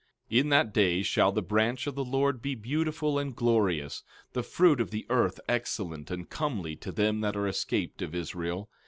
14:2 In that day shall the branch of the Lord be beautiful and glorious; the fruit of the earth excellent and comely to them that are escaped of Israel.